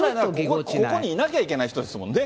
本来ならここにいなきゃいけない人ですもんね。